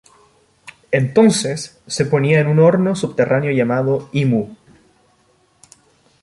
Entonces se ponía en un horno subterráneo llamado "imu".